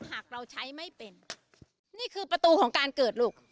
หากเราใช้ไม่เป็นนี่คือประตูของการเกิดลูก